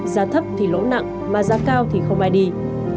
giá thấp thì lỗ nặng mà giá cao thì không ai đi